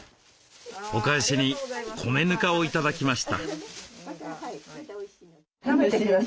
お返しに米ぬかを頂きました。